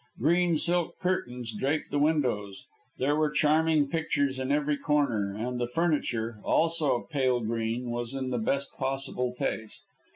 Green silk curtains draped the windows; there were charming pictures in every corner, and the furniture also of pale green was in the best possible taste.